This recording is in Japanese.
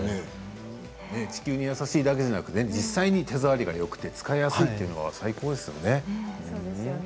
地球に優しいだけではなく手触りがよくて使いやすいのは最高ですね。